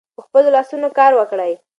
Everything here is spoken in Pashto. په خپلو لاسونو کار وکړئ.